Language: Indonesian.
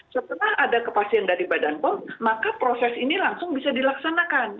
setelah ada kepastian dari badan pom maka proses ini langsung bisa dilaksanakan